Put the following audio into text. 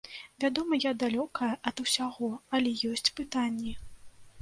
Вядома, я далёкая ад усяго, але ёсць пытанні.